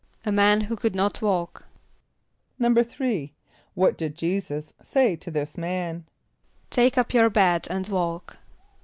=A man who could not walk.= =3.= What did J[=e]´[s+]us say to this man? ="Take up your bed and walk."